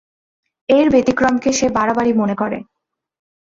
এর ব্যতিক্রমকে সে বাড়াবাড়ি মনে করে।